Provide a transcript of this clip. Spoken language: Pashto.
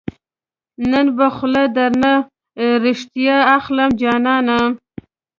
نن به خوله درنه ريښتیا اخلم جانانه